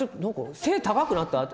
背が高くなった？って。